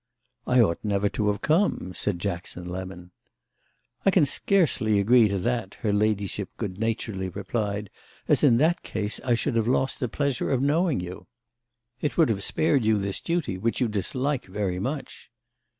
"I ought never to have come," said Jackson Lemon. "I can scarcely agree to that," her ladyship good naturedly replied, "as in that case I should have lost the pleasure of knowing you." "It would have spared you this duty, which you dislike very much."